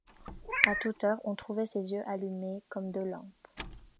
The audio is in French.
À toute heure on trouvait ses yeux allumés comme deux lampes.